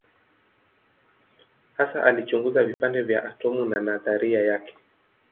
Hasa alichunguza vipande vya atomu na nadharia yake.